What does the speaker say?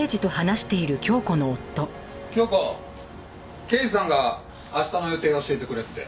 京子刑事さんが明日の予定を教えてくれって。